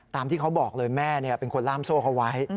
ที่เขาบอกเลยแม่เป็นคนล่ามโซ่เขาไว้